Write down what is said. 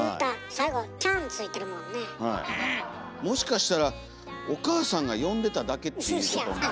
もしかしたらお母さんが呼んでただけっていうことも。